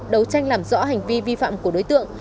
đấu tranh làm rõ hành vi vi phạm của đối tượng